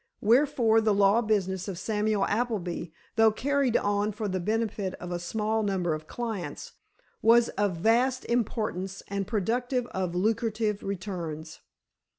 Wherefore the law business of Samuel Appleby, though carried on for the benefit of a small number of clients, was of vast importance and productive of lucrative returns.